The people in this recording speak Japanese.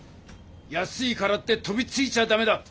安いからって飛びついちゃダメだ！